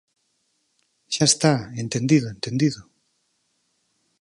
¡Xa está!, entendido, entendido.